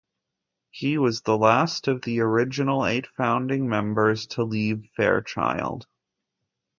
He was the last of the original eight founding members to leave Fairchild.